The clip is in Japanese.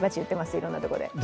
いろんなところで。